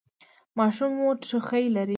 ماشوم مو ټوخی لري؟